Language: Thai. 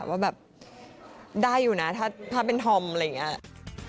ว่าแบบได้อยู่นะถ้าเป็นธอมอะไรอย่างนี้